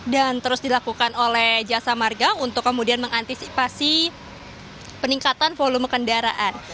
dan terus dilakukan oleh jasa marga untuk kemudian mengantisipasi peningkatan volume kendaraan